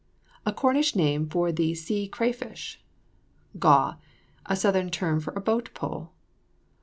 A Cornish name for the sea cray fish. GAW. A southern term for a boat pole.